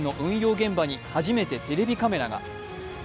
現場に初めてテレビカメラが。